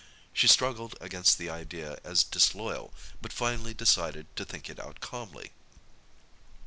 She struggled against the idea as disloyal, but finally decided to think it out calmly.